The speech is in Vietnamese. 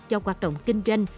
cho hoạt động kinh doanh